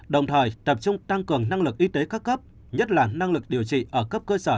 đồng thời tập trung tăng cường năng lực y tế các cấp nhất là năng lực điều trị ở cấp cơ sở